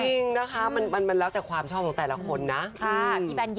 จริงนะคะมันแล้วแต่ความชอบของแต่ละคนนะ